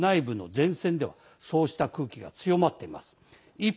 特に軍内部の前線ではそういう空気が強まっています。